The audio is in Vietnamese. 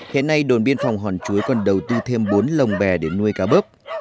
hiện nay đồn biên phòng hòn chuối còn đầu tư thêm bốn lồng bè để nuôi cá bớp